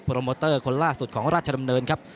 โมเตอร์คนล่าสุดของราชดำเนินครับ